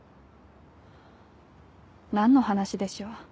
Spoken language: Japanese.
何の話でしょう？